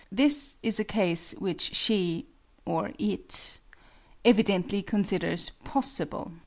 This is a case which she (or "it?") evidently considers possible.